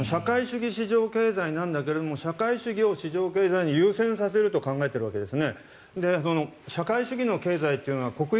社会主義経済なんだけど社会主義経済を市場経済に優先させると考えているわけです。